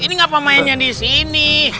ini ngapa mainnya disini